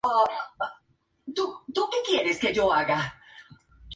Fue en la Chontalpa en donde surgió el primer grito de insurrección.